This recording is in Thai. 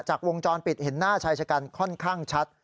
วงจรปิดเห็นหน้าชายชะกันค่อนข้างชัด